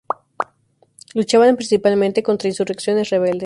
Luchaban principalmente contra insurrecciones rebeldes.